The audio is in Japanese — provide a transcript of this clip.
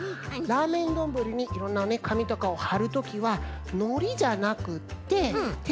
ラーメンどんぶりにいろんなねかみとかをはるときはのりじゃなくってテープやりょうめん